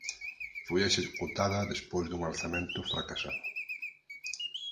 Foi executada despois dun alzamento fracasado.